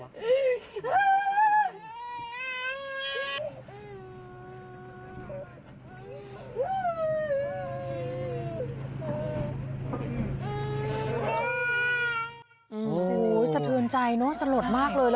โอ้โหสะทุนใจเนอะสะหรดมากเลย